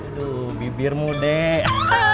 aduh bibirmu deh